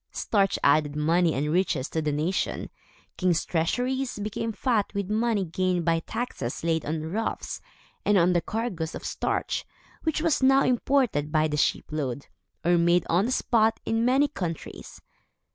Starch added money and riches to the nation. Kings' treasuries became fat with money gained by taxes laid on ruffs, and on the cargoes of starch, which was now imported by the shipload, or made on the spot, in many countries.